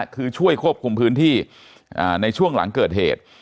คือช่วยควบคุมพื้นที่ในช่วงหลังเกิดเหตุ